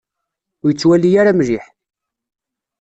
Ur yettwali ara mliḥ.